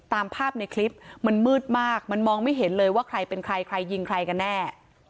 ตามภาพในคลิปมันมืดมากมันมองไม่เห็นเลยว่าใครเป็นใครใครยิงใครกันแน่